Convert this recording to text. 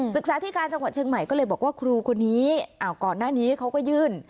ศึกษาที่การจังหวัดเชียงใหม่ก็เลยบอกว่าครูคนนี้ก่อนหน้านี้เขาก็ยื่น